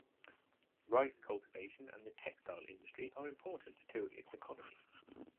Rice cultivation and the textile industry are important to its economy.